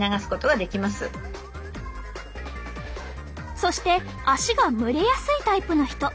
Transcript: そして足が蒸れやすいタイプの人。